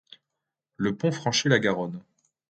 Le pont franchit la Garonne.